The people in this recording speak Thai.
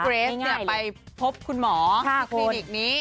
คือเกรสเนี่ยไปพบคุณหมอคลินิกนี้